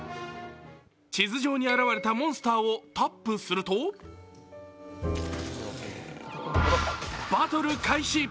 地図上に現れたモンスターをタップすると、バトル開始。